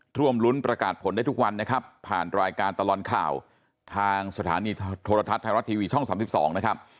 ร่วมรุ้นประกาศผลได้ทุกวันนะครับผ่านรายการตลอดข่าวทางสถานีโทรทัศน์ไทยรัฐทีวีช่อง๓๒นะครับ